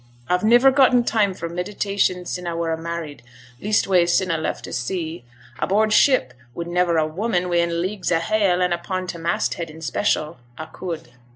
A've niver gotten time for meditation sin' a were married; leastways, sin' a left t' sea. Aboard ship, wi' niver a woman wi'n leagues o' hail, and upo' t' masthead, in special, a could.'